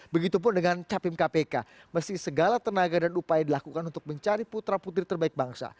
begitupun dengan capim kpk mesti segala tenaga dan upaya dilakukan untuk mencari putra putri terbaik bangsa